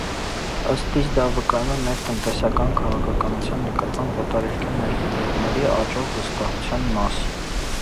Ըստ իս, դա վկայում է մեր տնտեսական քաղաքականության նկատմամբ օտարերկրյա ներդրողների աճող վստահության մասին: